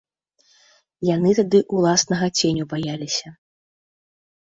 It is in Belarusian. Яны тады ўласнага ценю баяліся.